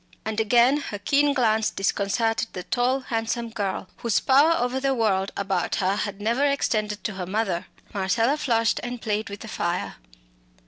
And again her keen glance disconcerted the tall handsome girl, whose power over the world about her had never extended to her mother. Marcella flushed and played with the fire.